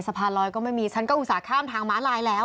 สะพานลอยก็ไม่มีฉันก็อุตส่าหข้ามทางม้าลายแล้ว